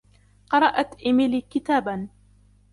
قرأت إيميلي كتاباً.